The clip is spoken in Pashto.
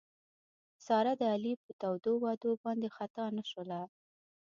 ساره د علي په تودو وعدو باندې خطا نه شوله.